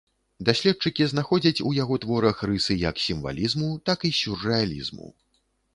Даследчыкі знаходзяць у яго творах рысы як сімвалізму, так і сюррэалізму.